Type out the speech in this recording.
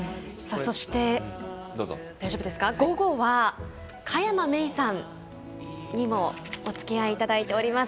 そして午後は佳山明さんにもおつきあいいただいております。